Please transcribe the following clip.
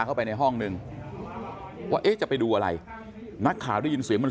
เข้าไปในห้องนึงว่าเอ๊ะจะไปดูอะไรนักข่าวได้ยินเสียงมัน